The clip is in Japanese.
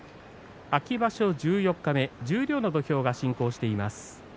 秋場所十四日目十両の土俵が進行しています。